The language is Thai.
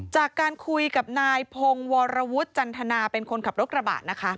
จากการคุยกับนายพงศ์วรวุฒิจันทนาเป็นคนขับรถกระบะนะคะ